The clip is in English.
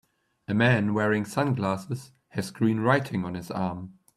A man wearing sunglasses has green writing on his arm.